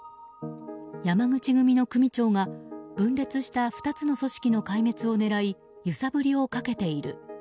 山口組の組長が分裂した２つの組織の壊滅に揺さぶりをかけている。